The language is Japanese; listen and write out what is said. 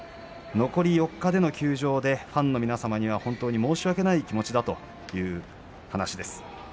残り４日での休場でファンの皆さんには本当に申し訳ない気持ちだという話です。